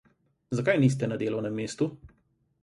Zakaj niste na delovnem mestu?